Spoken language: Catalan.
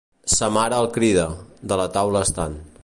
Sa mare el crida, de la taula estant.